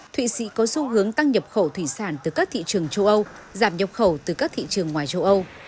thụy sĩ có xu hướng tăng nhập khẩu thủy sản từ các thị trường châu âu giảm nhập khẩu từ các thị trường ngoài châu âu